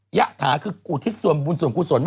หยะท้าคือกูทิศสวมบุญสวมกูสวน